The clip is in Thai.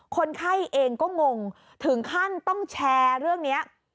คนไข้เองก็งงถึงขั้นต้องแชร์เรื่องนี้